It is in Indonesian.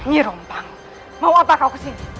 gampang mau apa kau kesini